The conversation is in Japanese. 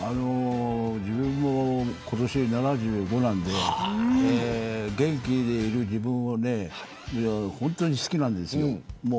自分も今年７５なんで元気でいる自分を本当に好きなんです。